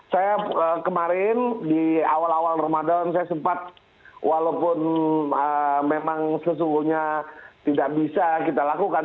saya kemarin di awal awal ramadan saya sempat walaupun memang sesungguhnya tidak bisa kita lakukan